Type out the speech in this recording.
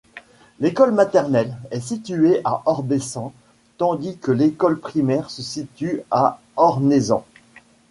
L'école maternelle est située à Orbessan tandis que l'école primaire se situe à Ornézan.